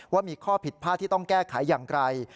ว่ามีข้อผิดพลาดที่ต้องแก้ไขอย่างไร